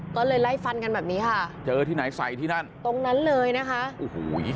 ก็เลยไล่ฟันกันแบบนี้ค่ะตรงนั้นเลยนะครับ